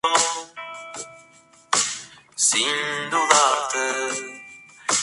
Sin embargo, sigue diciendo, la obra del escriba, hecha en pergamino, perdurará.